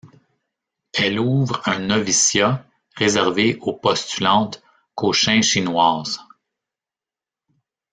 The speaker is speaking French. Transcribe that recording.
Elle ouvre un noviciat réservé aux postulantes cochinchinoises.